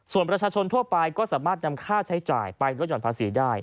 ส่วนประชาชนทั่วไปก็สามารถนำค่าใช้จ่ายไปลดหย่อนภาษีได้